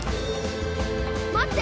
待って！